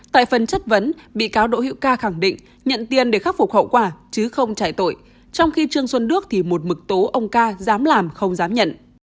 tại phần chất vấn bị cáo đỗ hữu ca khẳng định nhận tiền để khắc phục hậu quả chứ không chạy tội trong khi trương xuân đức thì một mực tố ông ca dám làm không dám nhận